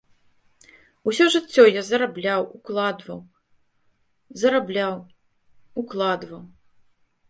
Усё жыццё я зарабляў, укладваў, зарабляў, укладваў.